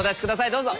どうぞ。